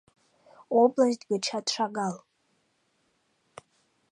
Область гычат шагал.